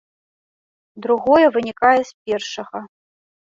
Другое вынікае з першага.